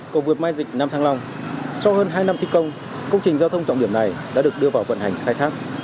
cộng vượt mai dịch năm tháng năm sau hơn hai năm thi công công trình giao thông trọng điểm này đã được đưa vào vận hành khai thác